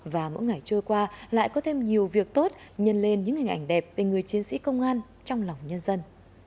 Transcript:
và mỗi ngày trôi qua lại có thêm nhiều việc tốt nhân lên những hình ảnh đẹp về người chiến sĩ công an trong lòng nhân dân